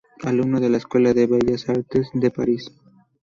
Alumno de la Escuela de Bellas Artes de París.